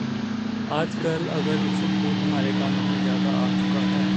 آج کل اگر اچھل کود ہمارے گانوں میں زیادہ آ چکا ہے۔